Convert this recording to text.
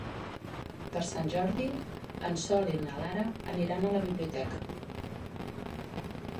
Per Sant Jordi en Sol i na Lara aniran a la biblioteca.